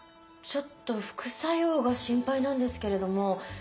ちょっと副作用が心配なんですけれども。